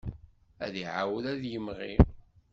Ad iɛawed ad d-yemɣi.